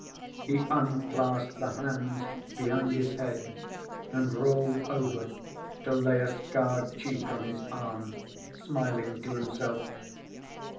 He unclasped the hands behind his head and rolled over to lay a scarred cheek on his arm, smiling to himself.